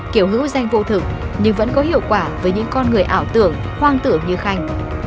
kiểu hữu danh vô thực nhưng vẫn có hiệu quả với những con người ảo tưởng hoang tưởng như khanh